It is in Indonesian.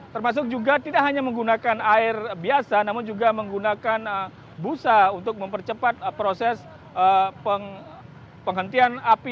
termasuk juga tidak hanya menggunakan air biasa namun juga menggunakan busa untuk mempercepat proses penghentian api